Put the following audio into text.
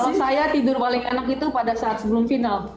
kalau saya tidur paling enak itu pada saat sebelum final